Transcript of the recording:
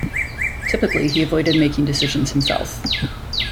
Typically, he avoided making decisions himself...